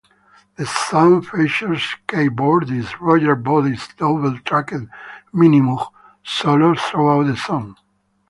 The song features keyboardist Roger Boyd's double-tracked Minimoog solos throughout the song.